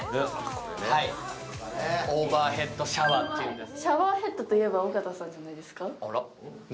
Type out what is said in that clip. オーバーヘッドシャワーっていうんですよ。